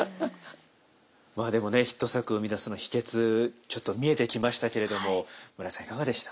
まあでもねヒット作を生み出す秘訣ちょっと見えてきましたけれども村井さんいかがでした？